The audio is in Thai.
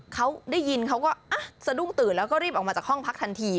เขาได้ยินเขาก็สะดุ้งตื่นแล้วก็รีบออกมาจากห้องพักทันที